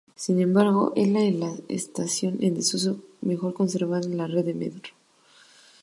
Sin embargo es la estación en desuso mejor conservada de la red de Metro.